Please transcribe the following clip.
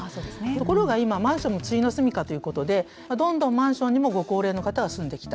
ところが今マンションも終のすみかということでどんどんマンションにもご高齢の方が住んできた。